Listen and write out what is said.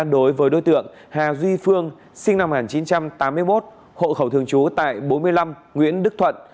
đối với đối tượng hà duy phương sinh năm một nghìn chín trăm tám mươi một hộ khẩu thường trú tại bốn mươi năm nguyễn đức thuận